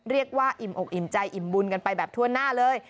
อิ่มอกอิ่มใจอิ่มบุญกันไปแบบทั่วหน้าเลย